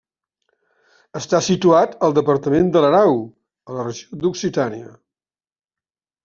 Està situat al departament de l'Erau, a la regió d'Occitània.